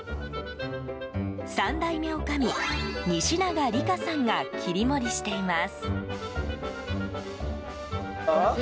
３代目おかみ、西永理佳さんが切り盛りしています。